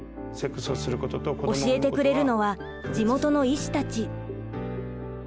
教えてくれるのは地元の医師たち。